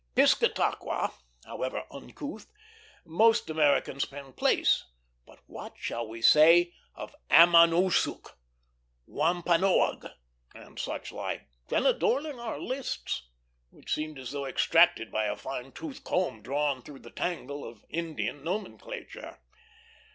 Piscataqua, however uncouth, most Americans can place; but what shall we say of Ammonoosuc, Wampanoag, and such like, then adorning our lists, which seem as though extracted by a fine tooth comb drawn through the tangle of Indian nomenclature.